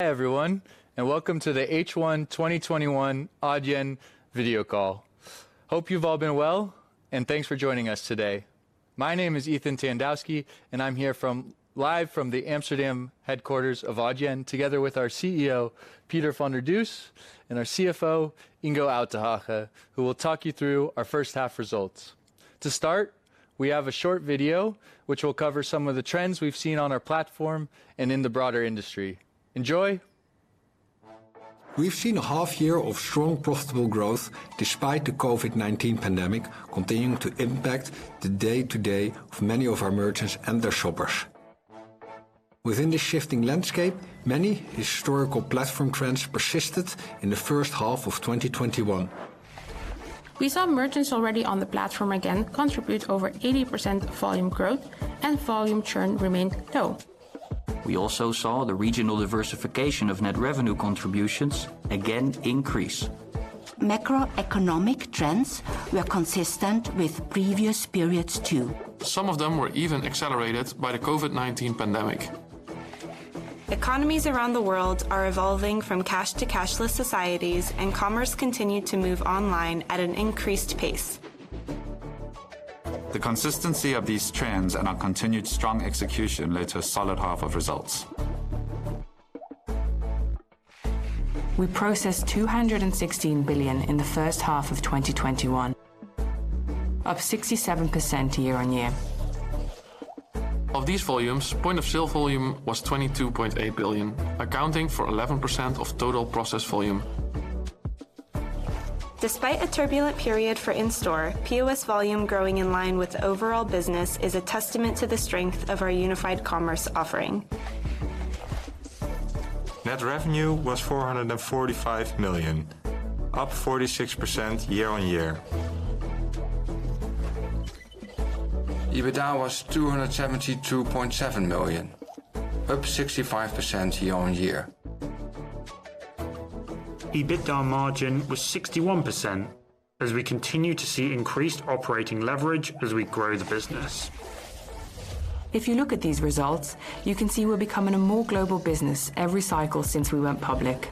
Hi, everyone, and welcome to the H1 2021 Adyen video call. Hope you've all been well, and thanks for joining us today. My name is Ethan Tandowsky, and I'm here live from the Amsterdam headquarters of Adyen, together with our CEO, Pieter van der Does, and our CFO, Ingo Uytdehaage, who will talk you through our first half results. To start, we have a short video which will cover some of the trends we've seen on our platform and in the broader industry. Enjoy. We've seen a half year of strong, profitable growth despite the COVID-19 pandemic continuing to impact the day-to-day of many of our merchants and their shoppers. Within this shifting landscape, many historical platform trends persisted in the first half of 2021. We saw merchants already on the platform again contribute over 80% volume growth, and volume churn remained low. We also saw the regional diversification of net revenue contributions again increase. Macroeconomic trends were consistent with previous periods, too. Some of them were even accelerated by the COVID-19 pandemic. Economies around the world are evolving from cash to cashless societies, and commerce continued to move online at an increased pace. The consistency of these trends and our continued strong execution led to a solid half of results. We processed 216 billion in the first half of 2021, up 67% year-on-year. Of these volumes, point of sale volume was 22.8 billion, accounting for 11% of total processed volume. Despite a turbulent period for in-store, POS volume growing in line with overall business is a testament to the strength of our unified commerce offering. Net revenue was 445 million, up 46% year-on-year. EBITDA was 272.7 million, up 65% year-on-year. EBITDA margin was 61%, as we continue to see increased operating leverage as we grow the business. If you look at these results, you can see we're becoming a more global business every cycle since we went public.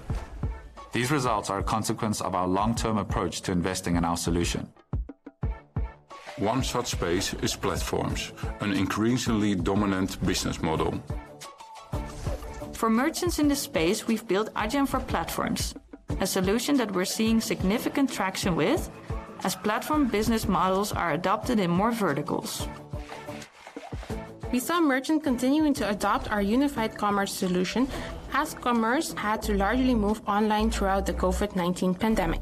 These results are a consequence of our long-term approach to investing in our solution. One such space is platforms, an increasingly dominant business model. For merchants in this space, we've built Adyen for Platforms, a solution that we're seeing significant traction with as platform business models are adopted in more verticals. We saw merchants continuing to adopt our unified commerce solution as commerce had to largely move online throughout the COVID-19 pandemic.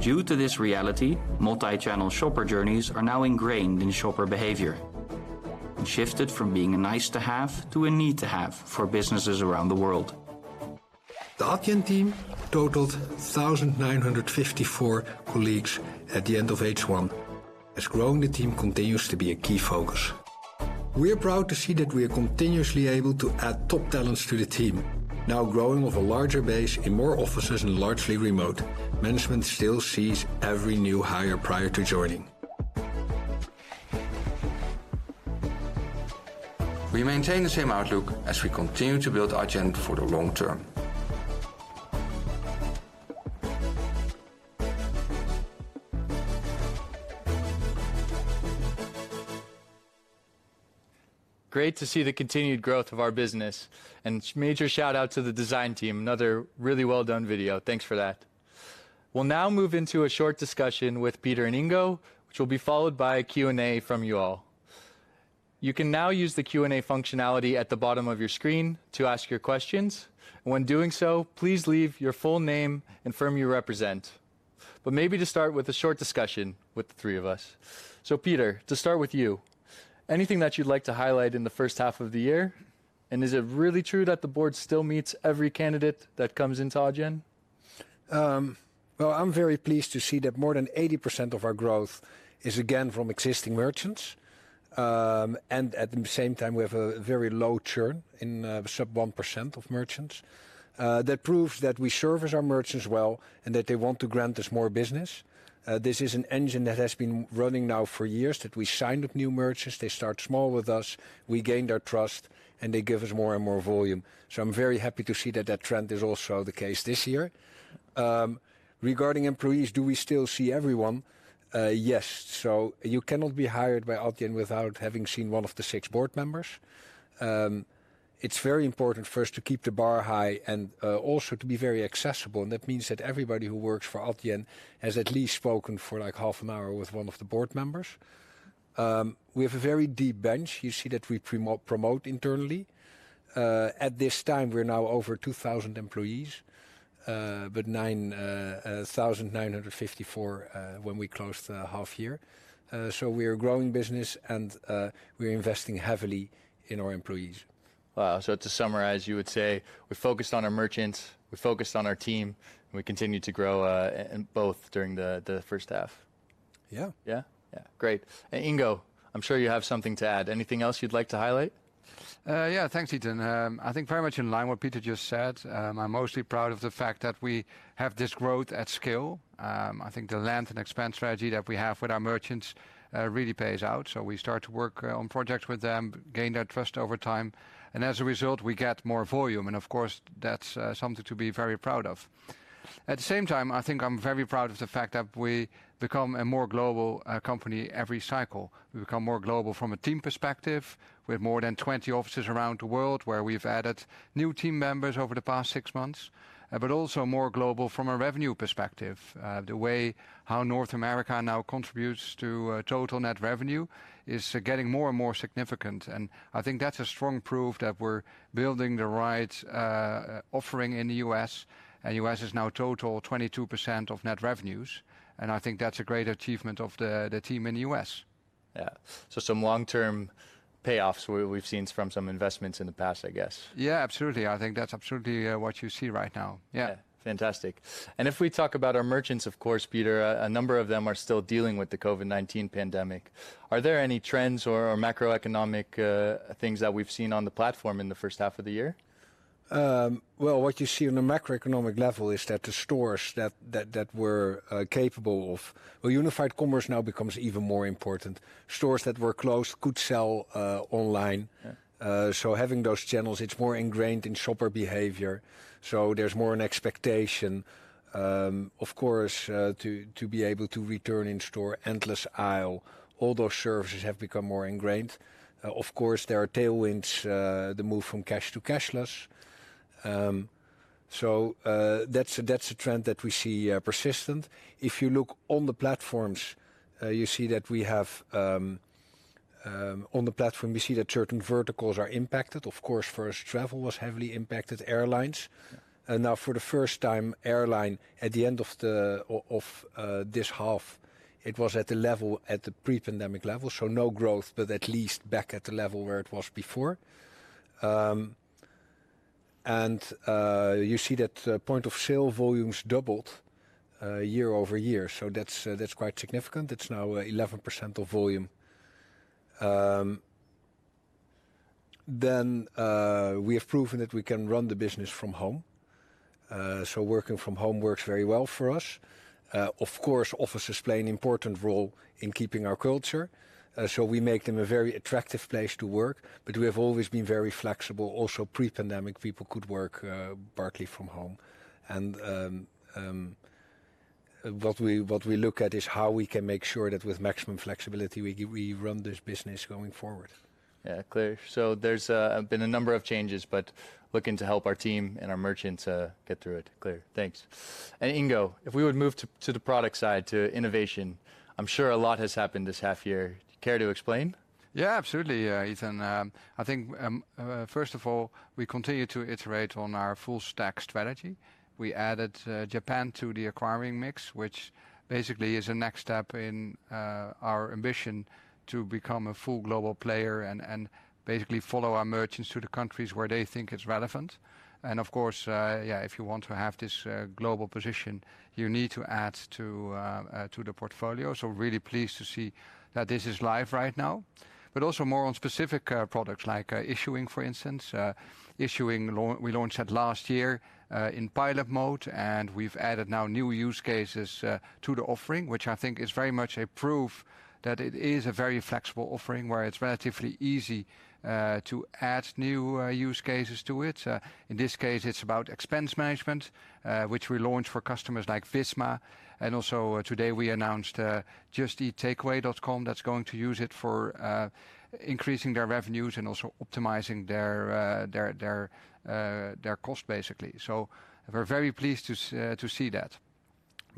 Due to this reality, multi-channel shopper journeys are now ingrained in shopper behavior, and shifted from being a nice-to-have to a need-to-have for businesses around the world. The Adyen team totaled 1,954 colleagues at the end of H1, as growing the team continues to be a key focus. We're proud to see that we are continuously able to add top talents to the team, now growing with a larger base in more offices and largely remote. Management still sees every new hire prior to joining. We maintain the same outlook as we continue to build Adyen for the long term. Great to see the continued growth of our business, and major shout-out to the design team. Another really well-done video. Thanks for that. We'll now move into a short discussion with Pieter and Ingo, which will be followed by a Q&A from you all. You can now use the Q&A functionality at the bottom of your screen to ask your questions. When doing so, please leave your full name and firm you represent. Maybe to start with a short discussion with the three of us. Pieter, to start with you, anything that you'd like to highlight in the first half of the year, and is it really true that the board still meets every candidate that comes into Adyen? Well, I'm very pleased to see that more than 80% of our growth is again from existing merchants. At the same time, we have a very low churn in sub 1% of merchants. That proves that we service our merchants well and that they want to grant us more business. This is an engine that has been running now for years, that we signed up new merchants. They start small with us, we gain their trust, and they give us more and more volume. I'm very happy to see that that trend is also the case this year. Regarding employees, do we still see everyone? Yes. You cannot be hired by Adyen without having seen one of the six board members. It's very important for us to keep the bar high and also to be very accessible. That means that everybody who works for Adyen has at least spoken for half an hour with one of the board members. We have a very deep bench. You see that we promote internally. At this time, we're now over 2,000 employees, but 1,954 when we closed the half year. We are a growing business, and we're investing heavily in our employees. Wow. To summarize, you would say we're focused on our merchants, we're focused on our team, and we continue to grow in both during the first half. Yeah. Yeah? Great. Ingo, I'm sure you have something to add. Anything else you'd like to highlight? Yeah, thanks, Ethan. I think very much in line what Pieter just said. I am mostly proud of the fact that we have this growth at scale. I think the land and expand strategy that we have with our merchants really pays out. We start to work on projects with them, gain their trust over time, and as a result, we get more volume. Of course, that's something to be very proud of. At the same time, I think I am very proud of the fact that we become a more global company every cycle. We become more global from a team perspective, with more than 20 offices around the world where we've added new team members over the past six months, but also more global from a revenue perspective. The way how North America now contributes to total net revenue is getting more and more significant, and I think that's a strong proof that we're building the right offering in the U.S. U.S. is now total 22% of net revenues, and I think that's a great achievement of the team in the U.S. Yeah. Some long-term payoffs we've seen from some investments in the past, I guess? Yeah, absolutely. I think that is absolutely what you see right now. Yeah. Yeah. Fantastic. If we talk about our merchants, of course, Pieter, a number of them are still dealing with the COVID-19 pandemic. Are there any trends or macroeconomic things that we've seen on the platform in the first half of the year? Well, what you see on the macroeconomic level is that the stores that were capable of unified commerce now becomes even more important. Stores that were closed could sell online. Yeah. Having those channels, it's more ingrained in shopper behavior, so there's more an expectation, of course, to be able to return in store, endless aisle, all those services have become more ingrained. Of course, there are tailwinds, the move from cash to cashless. That's a trend that we see persistent. If you look on the platforms, you see that certain verticals are impacted. Of course, first travel was heavily impacted, airlines. Now for the first time, airline at the end of this half, it was at the pre-pandemic level. No growth, but at least back at the level where it was before. You see that point of sale volumes doubled year-over-year. That's quite significant. It's now 11% of volume. We have proven that we can run the business from home. Working from home works very well for us. Of course, offices play an important role in keeping our culture. We make them a very attractive place to work, but we have always been very flexible. Also pre-pandemic, people could work partly from home. What we look at is how we can make sure that with maximum flexibility, we run this business going forward. Yeah, clear. There's been a number of changes, but looking to help our team and our merchants get through it. Clear. Thanks. Ingo, if we would move to the product side, to innovation, I'm sure a lot has happened this half year. Do you care to explain? Yeah, absolutely Ethan. I think, first of all, we continue to iterate on our full-stack strategy. We added Japan to the acquiring mix, which basically is a next step in our ambition to become a full global player and basically follow our merchants to the countries where they think it's relevant. Of course, yeah, if you want to have this global position, you need to add to the portfolio. Really pleased to see that this is live right now. Also more on specific products like Issuing, for instance. Issuing, we launched that last year in pilot mode. We've added now new use cases to the offering, which I think is very much a proof that it is a very flexible offering, where it's relatively easy to add new use cases to it. In this case, it's about expense management, which we launched for customers like Visma. Also today we announced Just Eat Takeaway.com that's going to use it for increasing their revenues and also optimizing their cost basically. We're very pleased to see that.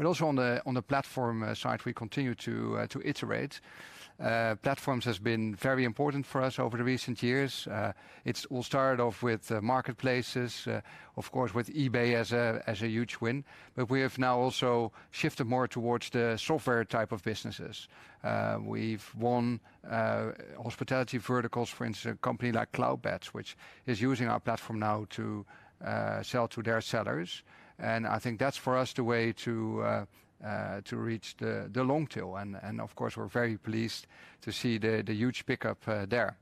Also on the platform side, we continue to iterate. Platforms has been very important for us over the recent years. It all started off with marketplaces, of course, with eBay as a huge win. We have now also shifted more towards the software type of businesses. We've won hospitality verticals, for instance, a company like Cloudbeds, which is using our platform now to sell to their sellers. I think that's for us, the way to reach the long tail, and of course, we're very pleased to see the huge pickup there.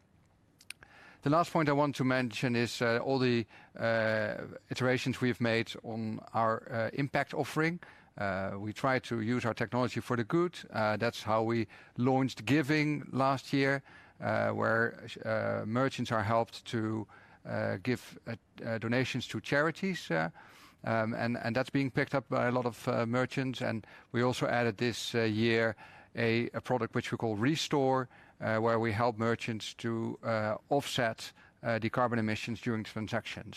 The last point I want to mention is all the iterations we've made on our Impact offering. We try to use our technology for the good. That's how we launched Giving last year, where merchants are helped to give donations to charities. That's being picked up by a lot of merchants. We also added this year a product which we call Restore, where we help merchants to offset the carbon emissions during transaction.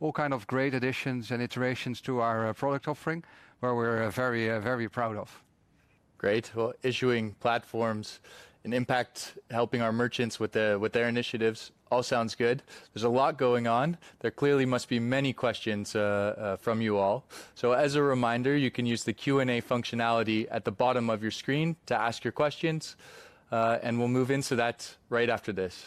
All kind of great additions and iterations to our product offering, where we're very proud of. Great. Well, Issuing, Platforms, and Impact, helping our merchants with their initiatives, all sounds good. There's a lot going on. There clearly must be many questions from you all. As a reminder, you can use the Q&A functionality at the bottom of your screen to ask your questions. We'll move into that right after this.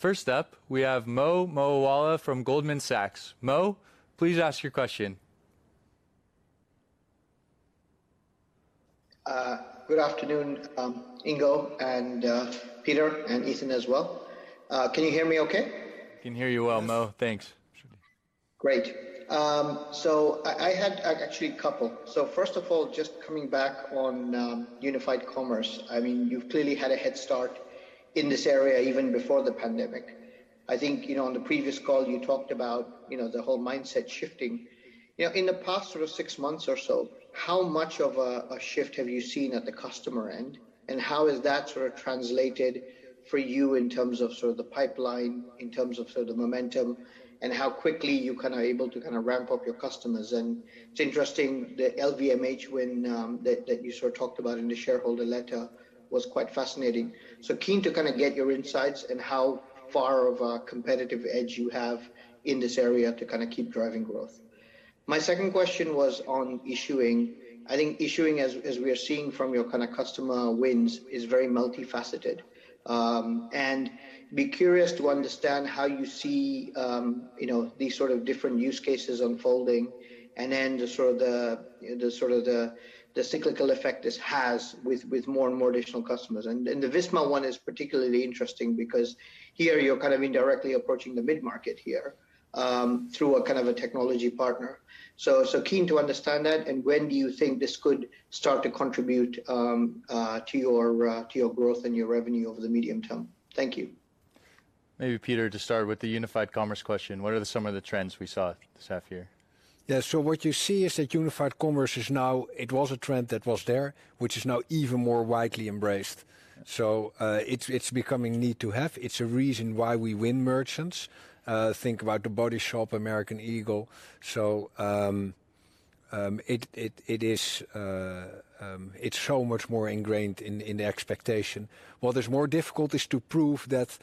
First up, we have Mo Moawalla from Goldman Sachs. Mo, please ask your question. Good afternoon, Ingo, and Pieter, and Ethan as well. Can you hear me okay? Can hear you well, Mo. Thanks. Great. I had actually a couple. First of all, just coming back on unified commerce, you've clearly had a head start in this area, even before the pandemic. I think, on the previous call, you talked about the whole mindset shifting. In the past six months or so, how much of a shift have you seen at the customer end? How has that translated for you in terms of the pipeline, in terms of the momentum, and how quickly you are able to ramp up your customers? It's interesting, the LVMH, that you talked about in the shareholder letter was quite fascinating. Keen to get your insights on how far of a competitive edge you have in this area to keep driving growth. My second question was on Issuing. I think issuing, as we are seeing from your customer wins, is very multifaceted. Be curious to understand how you see these sort of different use cases unfolding and then the cyclical effect this has with more and more additional customers. The Visma one is particularly interesting because here you're indirectly approaching the mid-market here through a kind of a technology partner. Keen to understand that, and when do you think this could start to contribute to your growth and your revenue over the medium term? Thank you. Maybe Pieter to start with the unified commerce question. What are some of the trends we saw this half year? Yeah. What you see is that unified commerce is now, it was a trend that was there, which is now even more widely embraced. It's becoming need to have. It's a reason why we win merchants. Think about The Body Shop, American Eagle. It's so much more ingrained in the expectation. What is more difficult is to prove that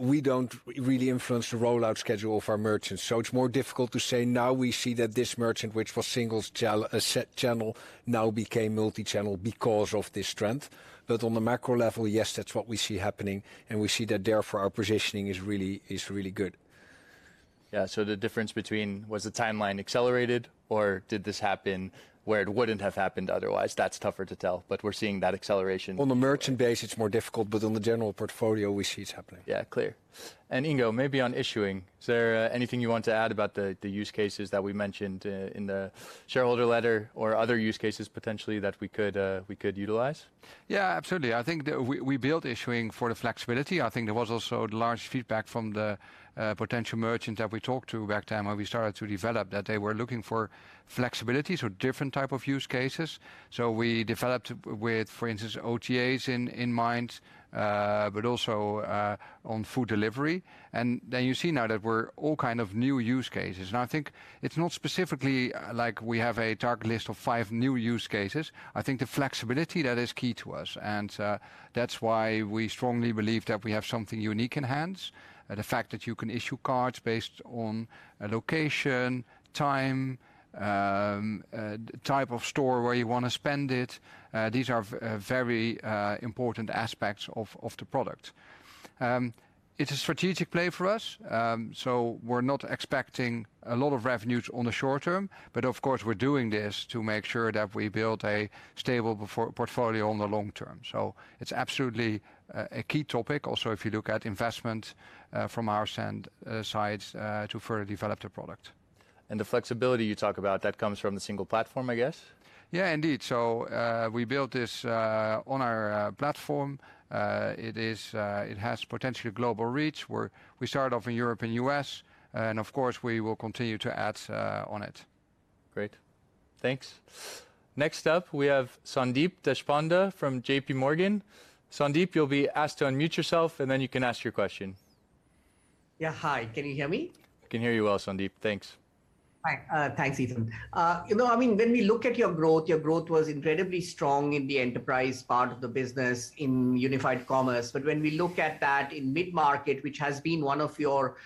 we don't really influence the rollout schedule of our merchants. It's more difficult to say now we see that this merchant, which was single channel, now became multichannel because of this trend. On the macro level, yes, that's what we see happening, and we see that therefore our positioning is really good. Yeah. The difference between was the timeline accelerated or did this happen where it wouldn't have happened otherwise? That's tougher to tell, but we're seeing that acceleration. On the merchant base, it's more difficult, but on the general portfolio, we see it happening. Yeah, clear. Ingo, maybe on Issuing, is there anything you want to add about the use cases that we mentioned in the shareholder letter or other use cases potentially that we could utilize? Yeah, absolutely. I think that we built Issuing for the flexibility. I think there was also large feedback from the potential merchant that we talked to back then when we started to develop, that they were looking for flexibility, so different type of use cases. We developed with, for instance, OTAs in mind, but also, on food delivery. You see now that we're all kind of new use cases. I think it's not specifically like we have a target list of five new use cases. I think the flexibility, that is key to us. That's why we strongly believe that we have something unique in hands. The fact that you can issue cards based on location, time, type of store, where you want to spend it, these are very important aspects of the product. It's a strategic play for us, so we're not expecting a lot of revenues on the short term, but of course, we're doing this to make sure that we build a stable portfolio in the long term. It's absolutely a key topic. If you look at investment from our side to further develop the product. The flexibility you talk about, that comes from the single platform, I guess? Yeah, indeed. We built this on our platform. It has potentially global reach, where we start off in Europe and U.S. Of course, we will continue to add on it. Great. Thanks. We have Sandeep Deshpande from JPMorgan. Sandeep, you'll be asked to unmute yourself, and then you can ask your question. Yeah. Hi, can you hear me? Can hear you well, Sandeep. Thanks. Hi. Thanks, Ethan. When we look at your growth, your growth was incredibly strong in the enterprise part of the business in unified commerce. When we look at that in mid-market, which has been one of your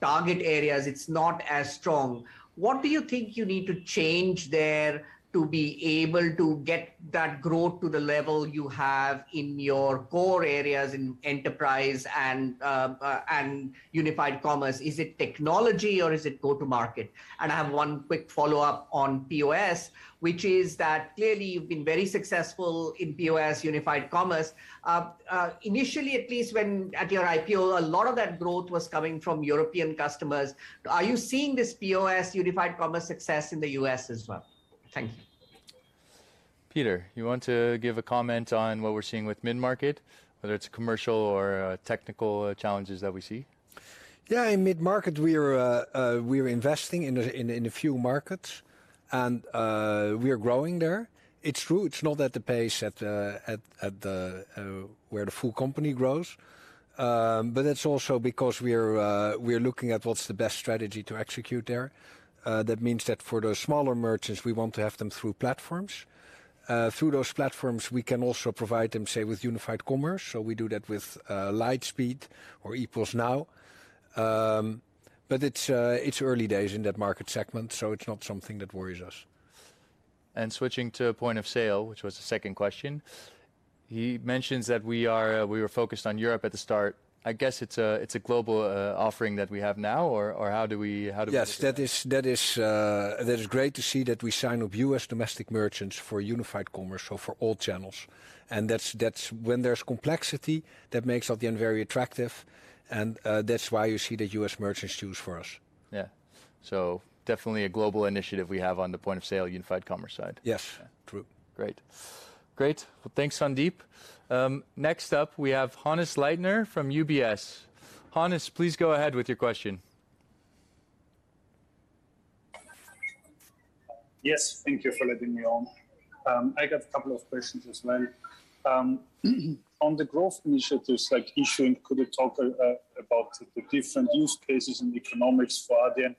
target areas, it's not as strong. What do you think you need to change there to be able to get that growth to the level you have in your core areas in enterprise and unified commerce? Is it technology or is it go to market? I have one quick follow-up on POS, which is that clearly you've been very successful in POS unified commerce. Initially, at least when at your IPO, a lot of that growth was coming from European customers. Are you seeing this POS unified commerce success in the U.S. as well? Thank you. Pieter, you want to give a comment on what we're seeing with mid-market, whether it's commercial or technical challenges that we see? Yeah. In mid-market, we're investing in a few markets, and we are growing there. It's true, it's not at the pace at where the full company grows. That's also because we're looking at what's the best strategy to execute there. That means that for those smaller merchants, we want to have them through platforms. Through those platforms, we can also provide them, say, with unified commerce. We do that with Lightspeed or Epos Now. It's early days in that market segment, so it's not something that worries us. Switching to point of sale, which was the second question, he mentions that we were focused on Europe at the start. I guess it's a global offering that we have now? Yes, that is great to see that we sign up U.S. domestic merchants for unified commerce, so for all channels. When there's complexity, that makes Adyen very attractive, and that's why you see the U.S. merchants choose for us. Yeah. Definitely a global initiative we have on the point of sale unified commerce side. Yes. True. Great. Well, thanks, Sandeep. Next up we have Hannes Leitner from UBS. Hannes, please go ahead with your question. Yes. Thank you for letting me on. I got a couple of questions as well. On the growth initiatives like Issuing, could you talk about the different use cases and economics for Adyen,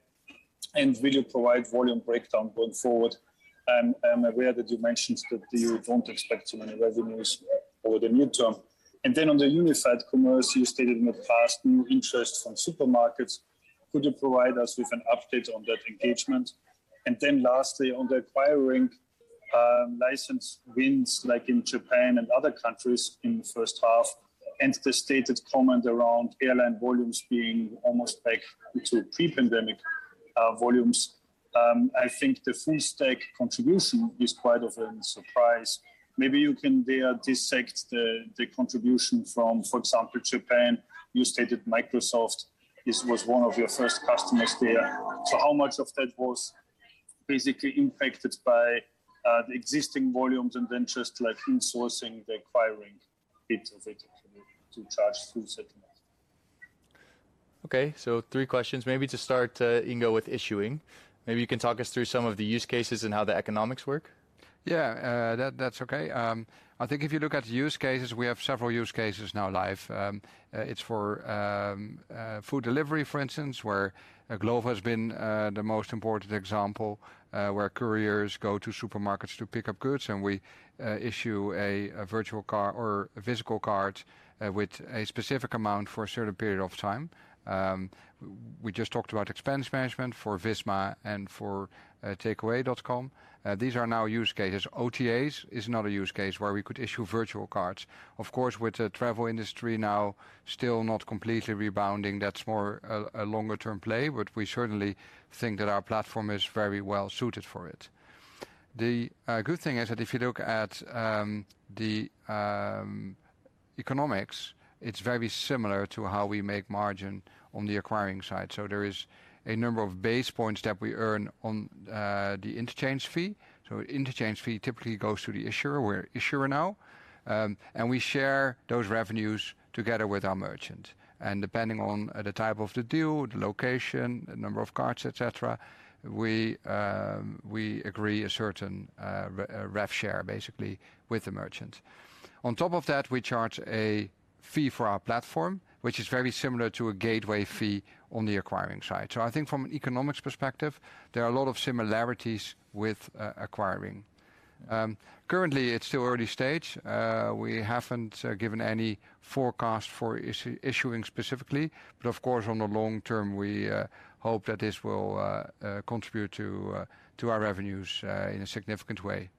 and will you provide volume breakdown going forward? I'm aware that you mentioned that you don't expect too many revenues over the near term. On the unified commerce, you stated in the past new interest from supermarkets. Could you provide us with an update on that engagement? Lastly, on the acquiring license wins like in Japan and other countries in the first half, and the stated comment around airline volumes being almost back to pre-pandemic volumes. I think the full-stack contribution is quite of a surprise. Maybe you can there dissect the contribution from, for example, Japan. You stated Microsoft was one of your first customers there. How much of that was basically impacted by the existing volumes and then just like insourcing the acquiring bit of it actually to charge through settlement? Okay, three questions. Maybe to start, Ingo, with Issuing. Maybe you can talk us through some of the use cases and how the economics work. That's okay. I think if you look at use cases, we have several use cases now live. It's for food delivery, for instance, where Glovo has been the most important example, where couriers go to supermarkets to pick up goods, and we issue a virtual card or a physical card with a specific amount for a certain period of time. We just talked about expense management for Visma and for Takeaway.com. These are now use cases. OTAs is another use case where we could issue virtual cards. With the travel industry now still not completely rebounding, that's more a longer-term play, but we certainly think that our platform is very well suited for it. The good thing is that if you look at the economics, it's very similar to how we make margin on the acquiring side. There is a number of basis points that we earn on the interchange fee. Interchange fee typically goes to the issuer. We're issuer now. We share those revenues together with our merchant. Depending on the type of the deal, the location, the number of cards, et cetera, we agree a certain rev share basically with the merchant. On top of that, we charge a fee for our platform, which is very similar to a gateway fee on the acquiring side. I think from an economics perspective, there are a lot of similarities with acquiring. Currently it's still early stage. We haven't given any forecast for Issuing specifically, but of course, on the long term, we hope that this will contribute to our revenues in a significant way.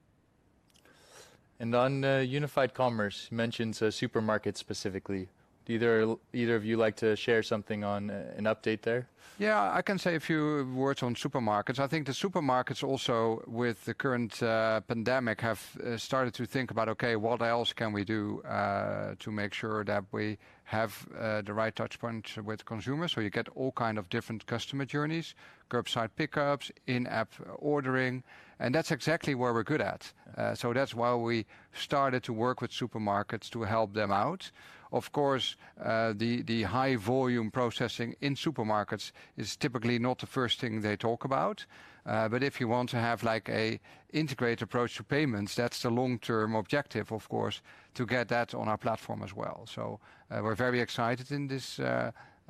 On unified commerce, you mentioned supermarkets specifically. Do either of you like to share something on an update there? Yeah. I can say a few words on supermarkets. I think the supermarkets also with the current pandemic have started to think about, okay, what else can we do to make sure that we have the right touchpoint with consumers? You get all kind of different customer journeys, curbside pickups, in-app ordering, and that's exactly where we're good at. That's why we started to work with supermarkets to help them out. Of course, the high volume processing in supermarkets is typically not the first thing they talk about. If you want to have an integrated approach to payments, that's the long-term objective, of course, to get that on our platform as well. We're very excited in this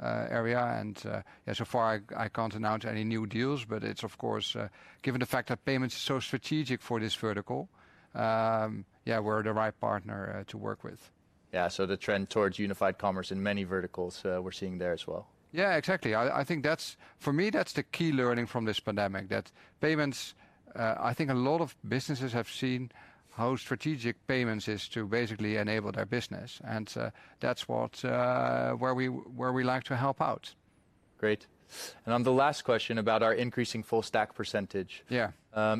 area, and so far I can't announce any new deals, but it's of course given the fact that payments is so strategic for this vertical, we're the right partner to work with. Yeah, the trend towards unified commerce in many verticals we're seeing there as well. Yeah, exactly. I think for me, that's the key learning from this pandemic, that payments, I think a lot of businesses have seen how strategic payments is to basically enable their business. That's where we like to help out. Great. On the last question about our increasing full-stack percentage? Yeah.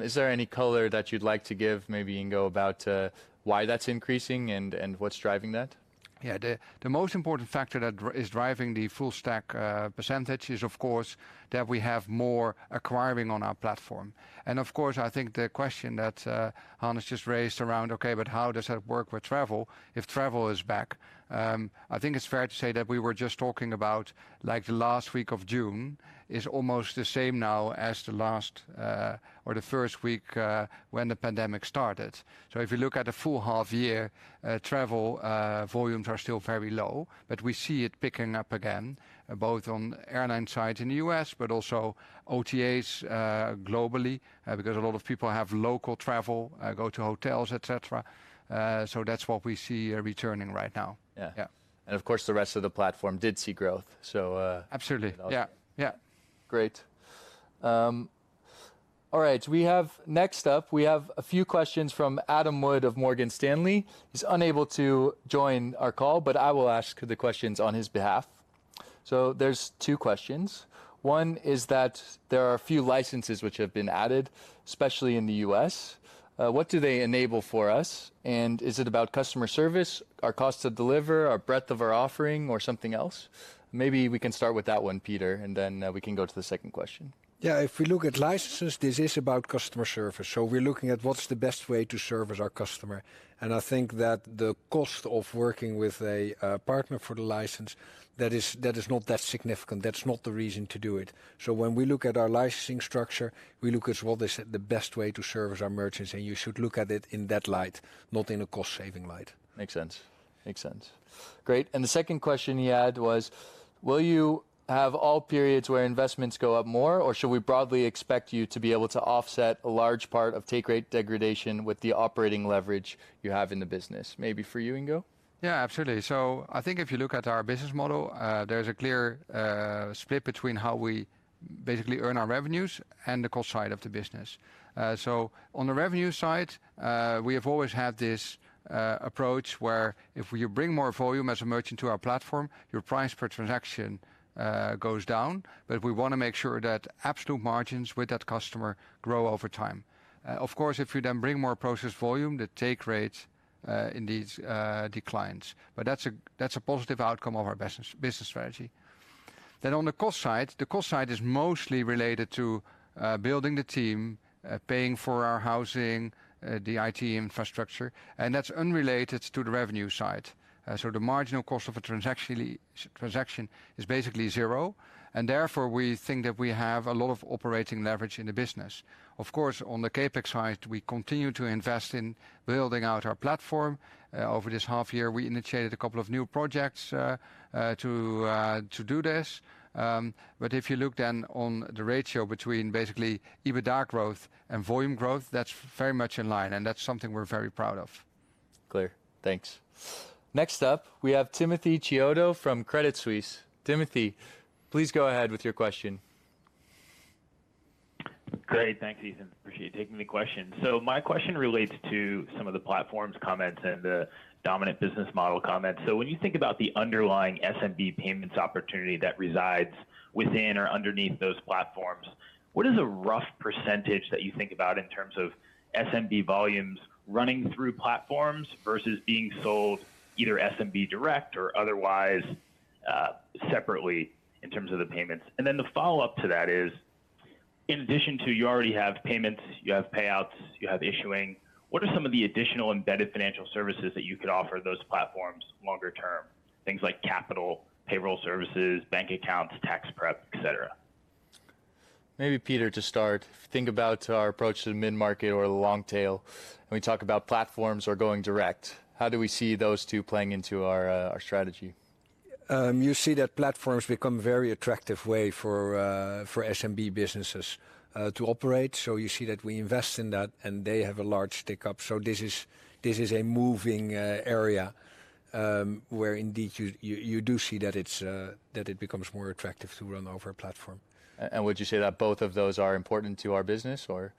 Is there any color that you'd like to give maybe, Ingo, about why that's increasing and what's driving that? The most important factor that is driving the full-stack percentage is of course that we have more acquiring on our platform. I think the question that Hannes just raised around, okay, but how does that work with travel if travel is back? I think it's fair to say that we were just talking about the last week of June is almost the same now as the last or the first week when the pandemic started. If you look at the full half year, travel volumes are still very low, but we see it picking up again, both on airline side in the U.S., but also OTAs globally, because a lot of people have local travel, go to hotels, et cetera. That's what we see returning right now. Yeah. Yeah. Of course, the rest of the platform did see growth. Absolutely. Yeah. Great. All right. Next up, we have a few questions from Adam Wood of Morgan Stanley. He's unable to join our call, but I will ask the questions on his behalf. There are two questions. One is that there are a few licenses which have been added, especially in the U.S. What do they enable for us? Is it about customer service, our cost to deliver, our breadth of our offering, or something else? Maybe we can start with that one, Pieter, and then we can go to the second question. If we look at licenses, this is about customer service. We're looking at what's the best way to service our customer, and I think that the cost of working with a partner for the license, that is not that significant. That's not the reason to do it. When we look at our licensing structure, we look at what is the best way to service our merchants, and you should look at it in that light, not in a cost-saving light. Makes sense. Great. The second question he had was, will you have all periods where investments go up more, or should we broadly expect you to be able to offset a large part of take rate degradation with the operating leverage you have in the business? Maybe for you, Ingo? Absolutely. I think if you look at our business model, there's a clear split between how we basically earn our revenues and the cost side of the business. On the revenue side, we have always had this approach where if you bring more volume as a merchant to our platform, your price per transaction goes down. We want to make sure that absolute margins with that customer grow over time. Of course, if you bring more process volume, the take rate indeed declines. That's a positive outcome of our business strategy. On the cost side, the cost side is mostly related to building the team, paying for our housing, the IT infrastructure, and that's unrelated to the revenue side. The marginal cost of a transaction is basically zero, and therefore, we think that we have a lot of operating leverage in the business. Of course, on the CapEx side, we continue to invest in building out our platform. Over this half year, we initiated a couple of new projects to do this. But if you look then on the ratio between basically EBITDA growth and volume growth, that's very much in line, and that's something we're very proud of. Clear. Thanks. Next up, we have Timothy Chiodo from Credit Suisse. Timothy, please go ahead with your question. Great. Thanks, Ethan. Appreciate you taking the question. My question relates to some of the platforms comments and the dominant business model comments. When you think about the underlying SMB payments opportunity that resides within or underneath those platforms, what is a rough percentage that you think about in terms of SMB volumes running through platforms versus being sold either SMB direct or otherwise separately in terms of the payments? The follow-up to that is, in addition to you already have payments, you have payouts, you have Issuing, what are some of the additional embedded financial services that you could offer those platforms longer term? Things like capital, payroll services, bank accounts, tax prep, et cetera. Maybe Pieter to start. Think about our approach to the mid-market or the long tail, and we talk about platforms or going direct. How do we see those two playing into our strategy? You see that platforms become very attractive way for SMB businesses to operate. You see that we invest in that, and they have a large take-up. This is a moving area, where indeed you do see that it becomes more attractive to run over a platform. Would you say that both of those are important to our business, or?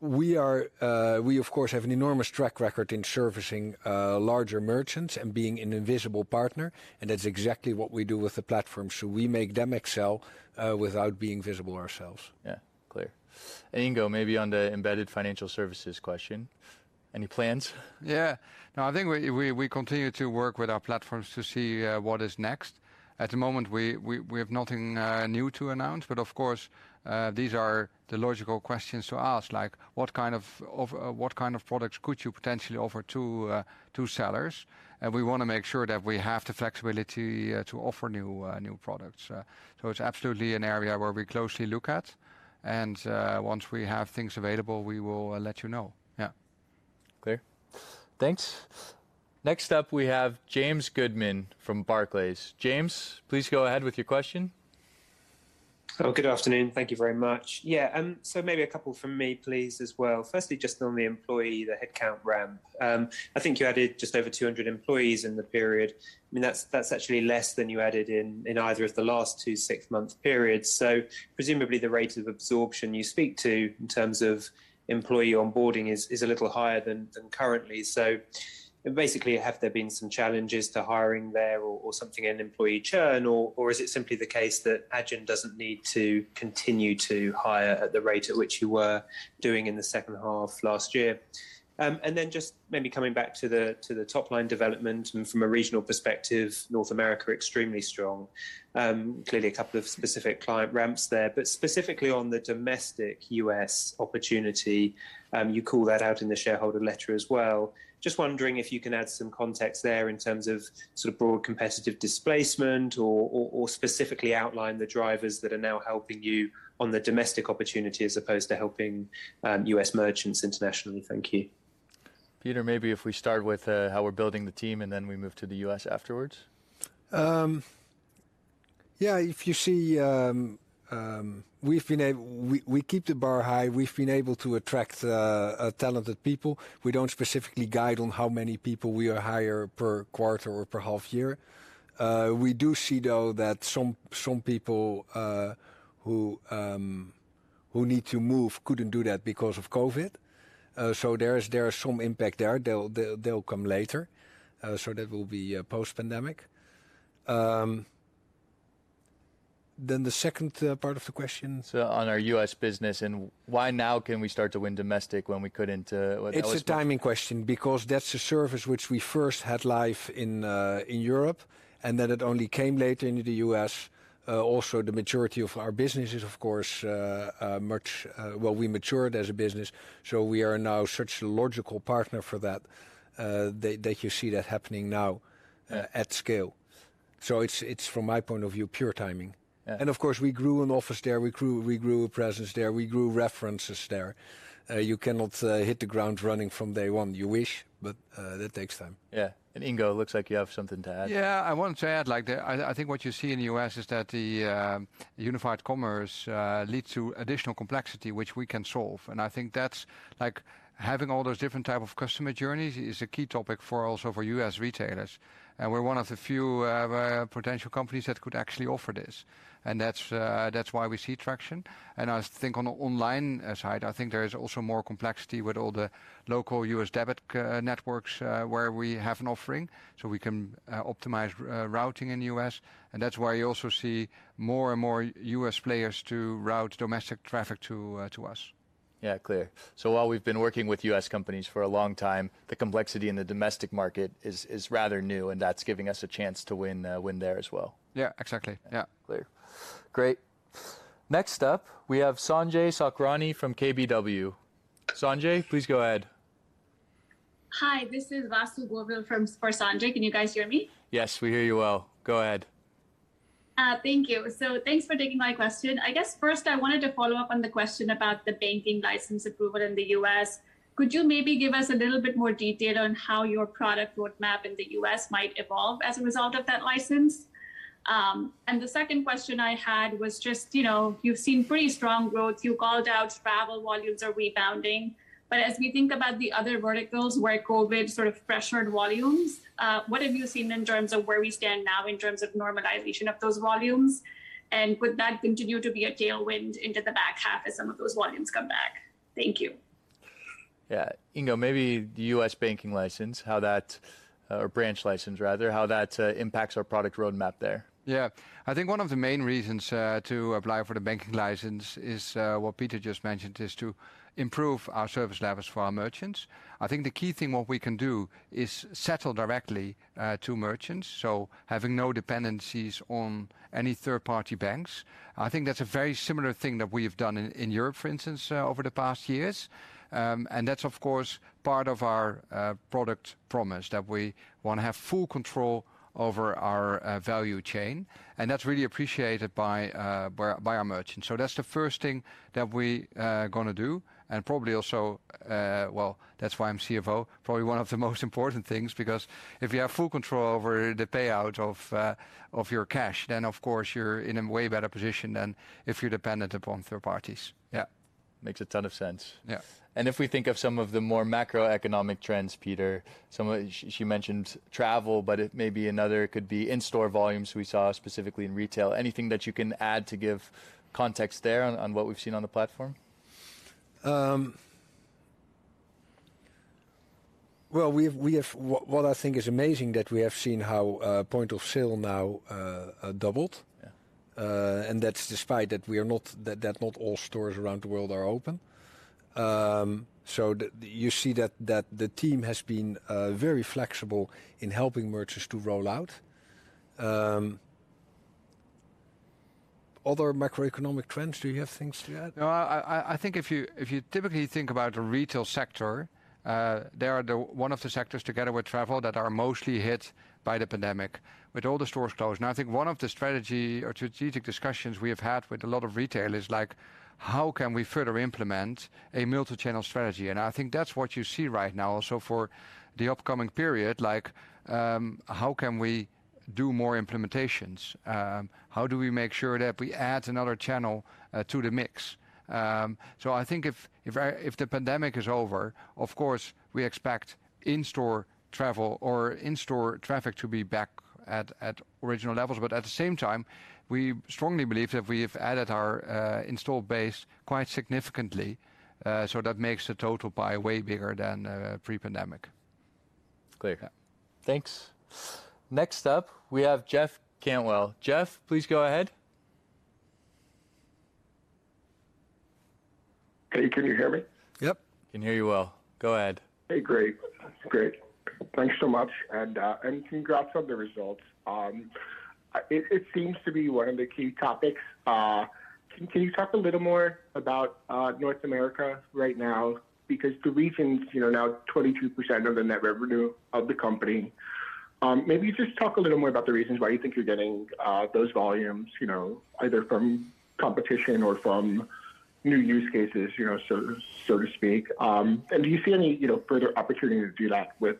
We, of course, have an enormous track record in servicing larger merchants and being an invisible partner, and that's exactly what we do with the platform. We make them excel without being visible ourselves. Yeah. Clear. Ingo, maybe on the embedded financial services question, any plans? Yeah. No, I think we continue to work with our platforms to see what is next. At the moment, we have nothing new to announce. Of course, these are the logical questions to ask, like what kind of products could you potentially offer to sellers? We want to make sure that we have the flexibility to offer new products. It's absolutely an area where we closely look at, and once we have things available, we will let you know. Yeah. Clear. Thanks. Next up, we have James Goodman from Barclays. James, please go ahead with your question. Oh, good afternoon. Thank you very much. Yeah. Maybe a couple from me, please, as well. Firstly, just on the employee, the headcount ramp. I think you added just over 200 employees in the period. That's actually less than you added in either of the last two six-month periods. Presumably, the rate of absorption you speak to in terms of employee onboarding is a little higher than currently. Basically, have there been some challenges to hiring there or something in employee churn, or is it simply the case that Adyen doesn't need to continue to hire at the rate at which you were doing in the second half last year? Then just maybe coming back to the top line development and from a regional perspective, North America, extremely strong. Clearly a couple of specific client ramps there. Specifically on the domestic U.S. opportunity, you call that out in the shareholder letter as well. Just wondering if you can add some context there in terms of sort of broad competitive displacement or specifically outline the drivers that are now helping you on the domestic opportunity as opposed to helping U.S. merchants internationally? Thank you. Pieter, maybe if we start with how we're building the team, and then we move to the U.S. afterwards? Yeah. We keep the bar high. We've been able to attract talented people. We don't specifically guide on how many people we hire per quarter or per half year. We do see, though, that some people who need to move couldn't do that because of COVID. There is some impact there. They'll come later, so that will be post-pandemic. The second part of the question? It's on our U.S. business, and why now can we start to win domestic when we couldn't with Adyen before? It's a timing question, because that's a service which we first had live in Europe, and then it only came later into the U.S. The majority of our business is, of course, Well, we matured as a business, so we are now such a logical partner for that you see that happening now at scale. It's, from my point of view, pure timing. Yeah. Of course, we grew an office there, we grew a presence there, we grew references there. You cannot hit the ground running from day one. You wish, but that takes time. Yeah. Ingo, looks like you have something to add? I wanted to add, I think what you see in the U.S. is that the unified commerce leads to additional complexity, which we can solve. I think that's having all those different type of customer journeys is a key topic also for U.S. retailers. We're one of the few potential companies that could actually offer this, and that's why we see traction. I think on the online side, I think there is also more complexity with all the local U.S. debit networks where we have an offering, so we can optimize routing in U.S. That's why you also see more and more U.S. players to route domestic traffic to us. Yeah, clear. While we've been working with U.S. companies for a long time, the complexity in the domestic market is rather new, and that's giving us a chance to win there as well. Yeah, exactly. Yeah. Clear. Great. Next up, we have Sanjay Sakhrani from KBW. Sanjay, please go ahead. Hi, this is Vasu Govil for Sanjay. Can you guys hear me? Yes, we hear you well. Go ahead. Thank you. Thanks for taking my question. I guess first I wanted to follow up on the question about the banking license approval in the U.S. Could you maybe give us a little bit more detail on how your product roadmap in the U.S. might evolve as a result of that license? The second question I had was just, you've seen pretty strong growth. You called out travel volumes are rebounding. As we think about the other verticals where COVID sort of pressured volumes, what have you seen in terms of where we stand now in terms of normalization of those volumes? Would that continue to be a tailwind into the back half as some of those volumes come back? Thank you. Yeah. Ingo, maybe the U.S. banking license, or branch license rather, how that impacts our product roadmap there? Yeah. I think one of the main reasons to apply for the banking license is what Pieter just mentioned, is to improve our service levels for our merchants. I think the key thing, what we can do is settle directly to merchants, so having no dependencies on any third-party banks. I think that's a very similar thing that we have done in Europe, for instance, over the past years. That's, of course, part of our product promise, that we want to have full control over our value chain. That's really appreciated by our merchants. That's the first thing that we going to do, and probably also, well, that's why I'm CFO, probably one of the most important things, because if you have full control over the payout of your cash, then of course you're in a way better position than if you're dependent upon third parties. Yeah. Makes a ton of sense. Yeah. If we think of some of the more macroeconomic trends, Pieter, you mentioned travel, but could be in-store volumes we saw specifically in retail. Anything that you can add to give context there on what we've seen on the platform? Well, what I think is amazing that we have seen how point of sale now doubled. Yeah. That's despite that not all stores around the world are open. You see that the team has been very flexible in helping merchants to roll out. Other macroeconomic trends, do you have things to add? I think if you typically think about the retail sector, they are one of the sectors, together with travel, that are mostly hit by the pandemic with all the stores closed. I think one of the strategic discussions we have had with a lot of retailers, like how can we further implement a multi-channel strategy? I think that's what you see right now also for the upcoming period, like how can we do more implementations? How do we make sure that we add another channel to the mix? I think if the pandemic is over, of course, we expect in-store travel or in-store traffic to be back at original levels. At the same time, we strongly believe that we have added our install base quite significantly. That makes the total pie way bigger than pre-pandemic. Clear. Yeah. Thanks. Next up, we have Jeff Cantwell. Jeff, please go ahead. Hey, can you hear me? Yep, can hear you well. Go ahead. Hey, great. Thanks so much, and congrats on the results. It seems to be one of the key topics. Can you talk a little more about North America right now? The region's now 22% of the net revenue of the company. Maybe just talk a little more about the reasons why you think you're getting those volumes, either from competition or from new use cases, so to speak. Do you see any further opportunity to do that with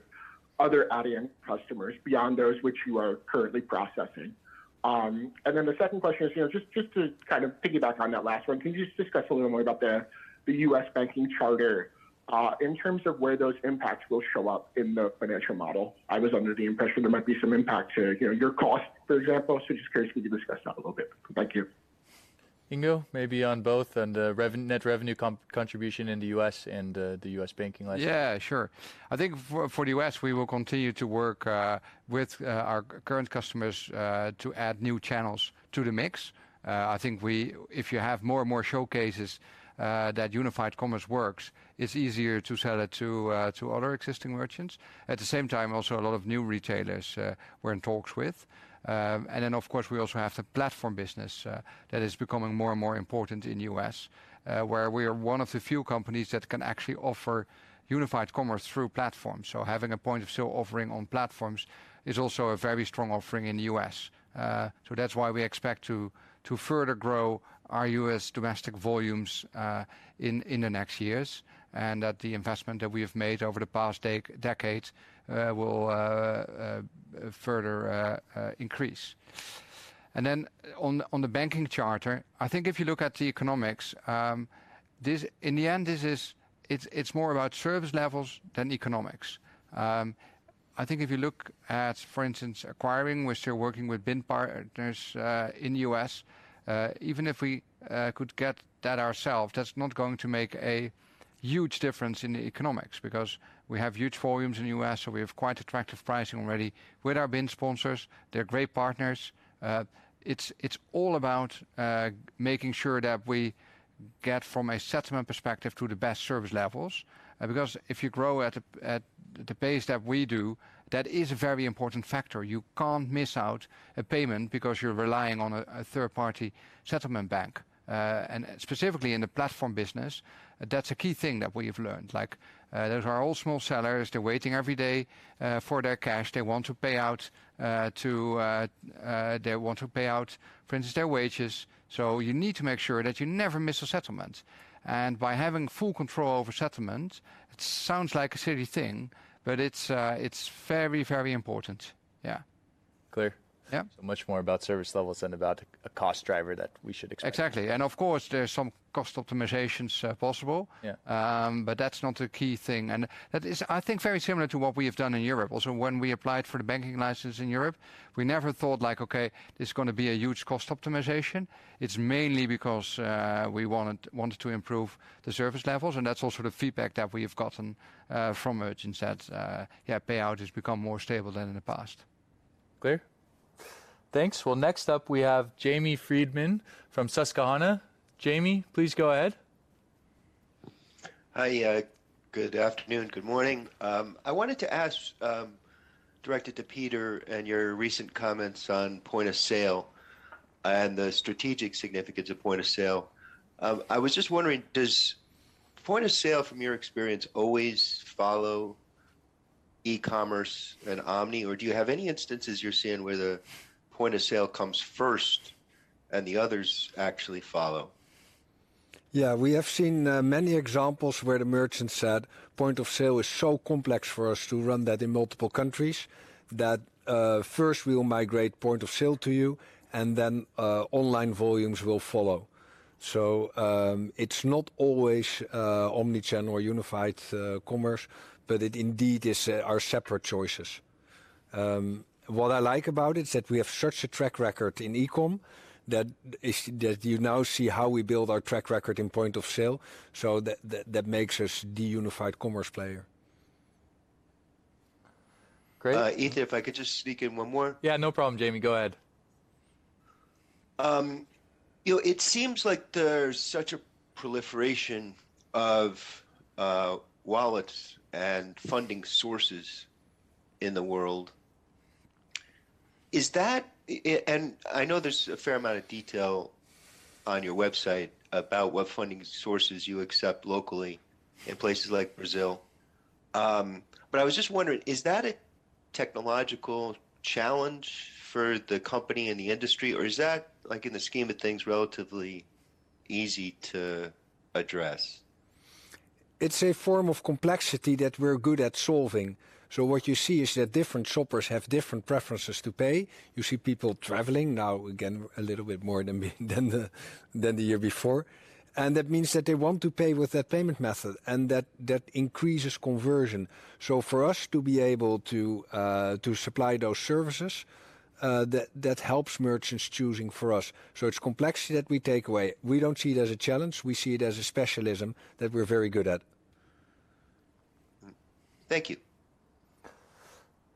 other Adyen customers beyond those which you are currently processing? The second question is, just to kind of piggyback on that last one, can you just discuss a little more about the U.S. banking charter in terms of where those impacts will show up in the financial model? I was under the impression there might be some impact to your cost, for example. Just curious if you could discuss that a little bit. Thank you. Ingo, maybe on both, on the net revenue contribution in the U.S. and the U.S. banking license? Yeah, sure. I think for the U.S., we will continue to work with our current customers to add new channels to the mix. I think if you have more and more showcases that unified commerce works, it's easier to sell it to other existing merchants. At the same time, also a lot of new retailers we're in talks with. Of course, we also have the platform business that is becoming more and more important in the U.S., where we are one of the few companies that can actually offer unified commerce through platforms. Having a point-of-sale offering on platforms is also a very strong offering in the U.S. That's why we expect to further grow our U.S. domestic volumes in the next years, and that the investment that we have made over the past decade will further increase. On the banking charter, I think if you look at the economics, in the end, it's more about service levels than economics. Acquiring, we're still working with BIN partners in the U.S. Even if we could get that ourselves, that's not going to make a huge difference in the economics because we have huge volumes in the U.S., so we have quite attractive pricing already with our BIN sponsors. They're great partners. It's all about making sure that we get from a settlement perspective to the best service levels. If you grow at the pace that we do, that is a very important factor. You can't miss out a payment because you're relying on a third-party settlement bank. Specifically in the platform business, that's a key thing that we have learned. Those are all small sellers. They're waiting every day for their cash. They want to pay out, for instance, their wages. You need to make sure that you never miss a settlement. By having full control over settlement, it sounds like a silly thing, but it's very important. Clear. Yeah. Much more about service levels than about a cost driver that we should expect. Exactly. Of course, there's some cost optimizations possible. Yeah. That's not a key thing. That is, I think, very similar to what we have done in Europe. Also, when we applied for the banking license in Europe, we never thought, like, okay, this is going to be a huge cost optimization. It's mainly because we wanted to improve the service levels, and that's also the feedback that we have gotten from merchants that, yeah, payout has become more stable than in the past. Clear. Thanks. Well, next up, we have Jamie Friedman from Susquehanna. Jamie, please go ahead. Hi, good afternoon, good morning. I wanted to ask, directed to Pieter and your recent comments on point of sale and the strategic significance of point of sale. I was just wondering, does point of sale from your experience always follow e-commerce and omni, or do you have any instances you're seeing where the point of sale comes first and the others actually follow? Yeah, we have seen many examples where the merchant said point of sale is so complex for us to run that in multiple countries that first we'll migrate point of sale to you and then online volumes will follow. It's not always omnichannel or unified commerce, but it indeed is our separate choices. What I like about it is that we have such a track record in e-com that you now see how we build our track record in point of sale, that makes us the unified commerce player. Great. Ethan, if I could just sneak in one more? Yeah, no problem, Jamie. Go ahead. It seems like there's such a proliferation of wallets and funding sources in the world. I know there's a fair amount of detail on your website about what funding sources you accept locally in places like Brazil. I was just wondering, is that a technological challenge for the company and the industry, or is that, in the scheme of things, relatively easy to address? It's a form of complexity that we're good at solving. What you see is that different shoppers have different preferences to pay. You see people traveling now again a little bit more than the year before. That means that they want to pay with that payment method, and that increases conversion. For us to be able to supply those services, that helps merchants choosing for us. It's complexity that we take away. We don't see it as a challenge. We see it as a specialism that we're very good at. Thank you.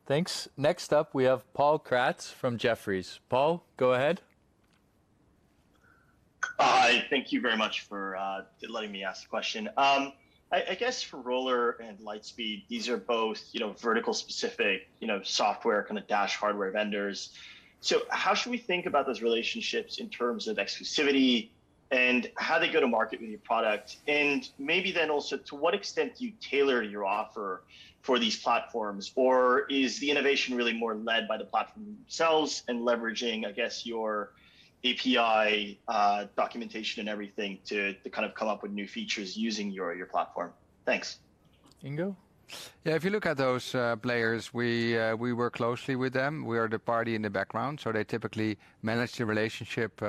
Thanks. Next up, we have Paul Kratz from Jefferies. Paul, go ahead. Hi. Thank you very much for letting me ask a question. I guess for ROLLER and Lightspeed, these are both vertical specific software kind of dash hardware vendors. How should we think about those relationships in terms of exclusivity and how they go to market with your product? Maybe then also to what extent do you tailor your offer for these platforms, or is the innovation really more led by the platform themselves and leveraging, I guess, your API documentation and everything to kind of come up with new features using your platform? Thanks. Ingo? Yeah, if you look at those players, we work closely with them. We are the party in the background, so they typically manage the relationship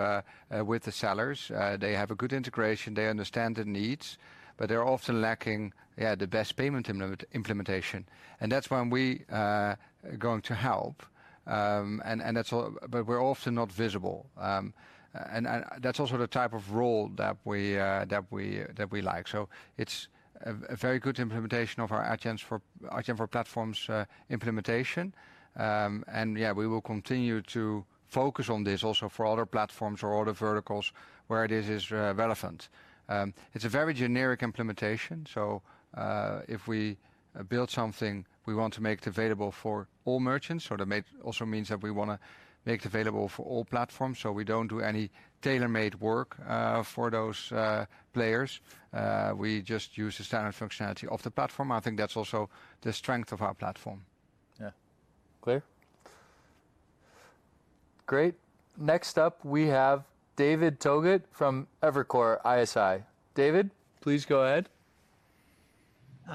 with the sellers. They have a good integration, they understand the needs, but they're often lacking, yeah, the best payment implementation. That's when we are going to help, but we're often not visible. That's also the type of role that we like. It's a very good implementation of our Adyen for Platforms implementation. Yeah, we will continue to focus on this also for other platforms or other verticals where it is relevant. It's a very generic implementation, so if we build something, we want to make it available for all merchants. That also means that we want to make it available for all platforms. We don't do any tailor-made work for those players. We just use the standard functionality of the platform. I think that's also the strength of our platform. Yeah. Clear. Great. Next up, we have David Togut from Evercore ISI. David, please go ahead.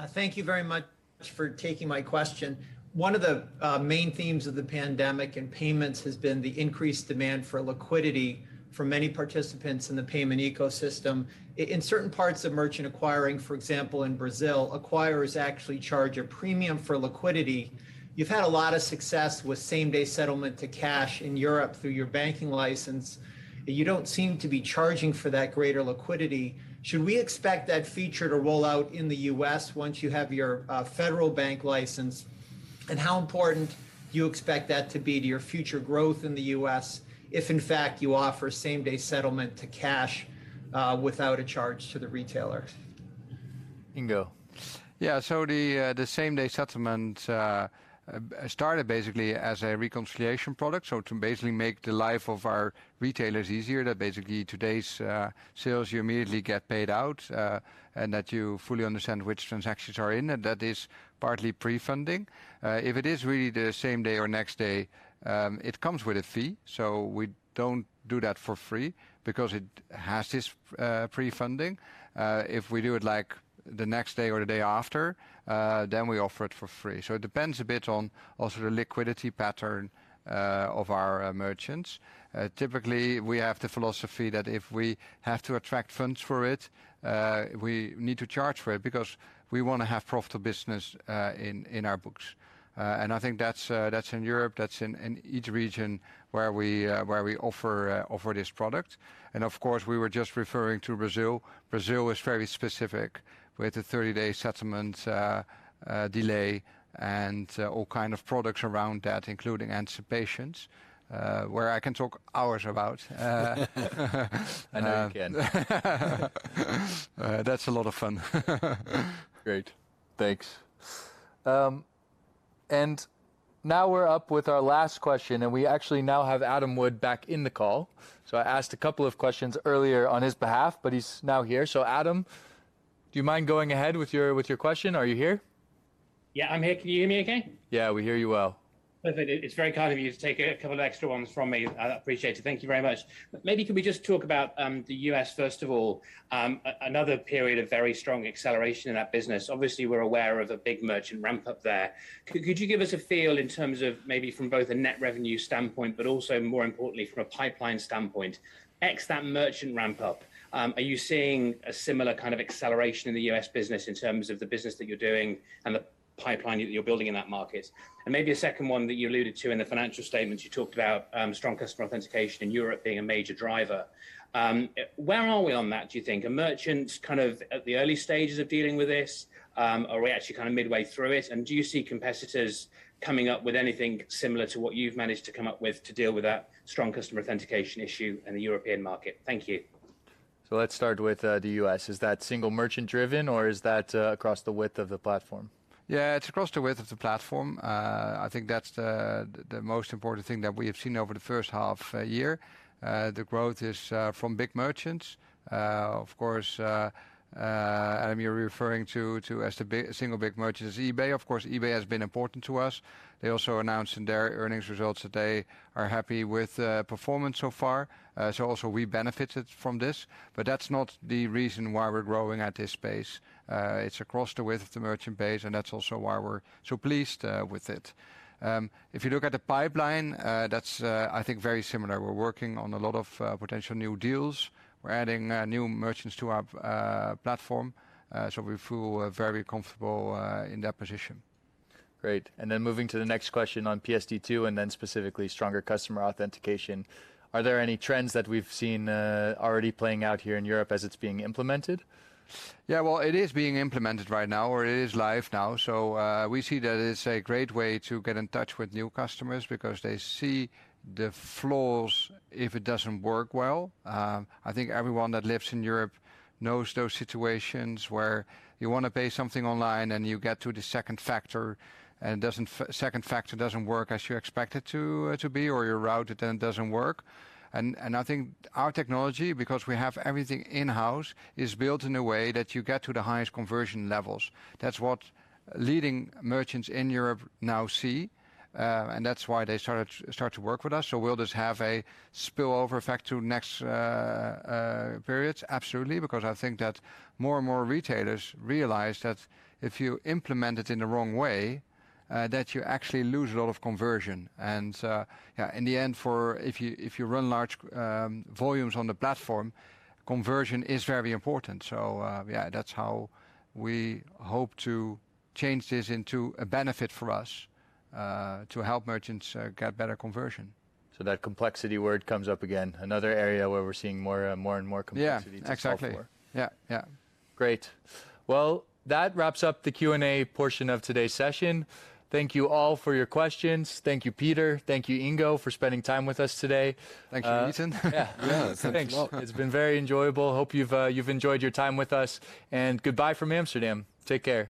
Thank you very much for taking my question. One of the main themes of the pandemic and payments has been the increased demand for liquidity for many participants in the payment ecosystem. In certain parts of merchant acquiring, for example, in Brazil, acquirers actually charge a premium for liquidity. You've had a lot of success with same-day settlement to cash in Europe through your banking license, and you don't seem to be charging for that greater liquidity. Should we expect that feature to roll out in the U.S. once you have your federal bank license? How important do you expect that to be to your future growth in the U.S. if, in fact, you offer same-day settlement to cash without a charge to the retailer? Ingo? Yeah. The same-day settlement started basically as a reconciliation product. To basically make the life of our retailers easier, that basically today's sales, you immediately get paid out, and that you fully understand which transactions are in, and that is partly pre-funding. If it is really the same day or next day, it comes with a fee. We don't do that for free because it has this pre-funding. If we do it the next day or the day after, we offer it for free. It depends a bit on also the liquidity pattern of our merchants. Typically, we have the philosophy that if we have to attract funds for it, we need to charge for it because we want to have profitable business in our books. I think that's in Europe, that's in each region where we offer this product. Of course, we were just referring to Brazil. Brazil is very specific with the 30-day settlement delay and all kind of products around that, including anticipations, where I can talk hours about. I know you can. That's a lot of fun. Great. Thanks. Now we're up with our last question. We actually now have Adam Wood back in the call. I asked a couple of questions earlier on his behalf, but he's now here. Adam, do you mind going ahead with your question? Are you here? Yeah, I'm here. Can you hear me okay? Yeah, we hear you well. Perfect. It's very kind of you to take a couple of extra ones from me. I appreciate it. Thank you very much. Maybe could we just talk about the U.S., first of all? Another period of very strong acceleration in that business. Obviously, we're aware of a big merchant ramp-up there. Could you give us a feel in terms of maybe from both a net revenue standpoint, but also more importantly from a pipeline standpoint, X that merchant ramp-up. Are you seeing a similar kind of acceleration in the U.S. business in terms of the business that you're doing and the pipeline that you're building in that market? Maybe a second one that you alluded to in the financial statements, you talked about Strong Customer Authentication in Europe being a major driver. Where are we on that, do you think? Are merchants kind of at the early stages of dealing with this? Are we actually kind of midway through it? Do you see competitors coming up with anything similar to what you've managed to come up with to deal with that Strong Customer Authentication issue in the European market? Thank you. Let's start with the U.S. Is that single merchant-driven, or is that across the width of the platform? Yeah, it's across the width of the platform. I think that's the most important thing that we have seen over the first half year. The growth is from big merchants. Adam, you're referring to as the single big merchant is eBay. eBay has been important to us. They also announced in their earnings results that they are happy with performance so far. Also we benefited from this. That's not the reason why we're growing at this pace. It's across the width of the merchant base, and that's also why we're so pleased with it. If you look at the pipeline, that's, I think, very similar. We're working on a lot of potential new deals. We're adding new merchants to our platform, we feel very comfortable in that position. Great. Moving to the next question on PSD2, and then specifically Strong Customer Authentication. Are there any trends that we've seen already playing out here in Europe as it's being implemented? Yeah. Well, it is being implemented right now, or it is live now. We see that it's a great way to get in touch with new customers because they see the flaws if it doesn't work well. I think everyone that lives in Europe knows those situations where you want to pay something online, and you get to the second factor, and second factor doesn't work as you expect it to be, or you route it and it doesn't work. I think our technology, because we have everything in-house, is built in a way that you get to the highest conversion levels. That's what leading merchants in Europe now see, and that's why they start to work with us. Will this have a spillover effect to next periods? Absolutely. I think that more and more retailers realize that if you implement it in the wrong way, that you actually lose a lot of conversion. Yeah, in the end, if you run large volumes on the platform, conversion is very important. Yeah, that's how we hope to change this into a benefit for us, to help merchants get better conversion. That complexity word comes up again, another area where we're seeing more and more complexity to solve for. Yeah, exactly. Yeah. Great. Well, that wraps up the Q&A portion of today's session. Thank you all for your questions. Thank you, Pieter, thank you, Ingo, for spending time with us today. Thanks, Ethan. Yeah. Yeah, thanks a lot. Thanks. It's been very enjoyable. Hope you've enjoyed your time with us. Goodbye from Amsterdam. Take care.